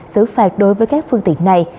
xử phạt đối với các phương tiện này